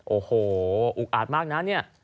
โอ้โหอุกอาจมากนะ